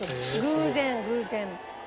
偶然偶然。